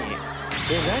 えっ何？